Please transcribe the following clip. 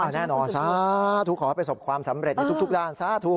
แน่นอนสาธุขอให้ประสบความสำเร็จในทุกด้านสาธุ